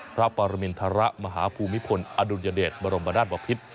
พระปรมิณฑระมหาภูมิพลอดุลยเดชบรรมบรรดาศวพิษ